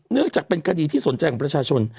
เนื่องจากเป็นคดีที่สนใจของประชาชน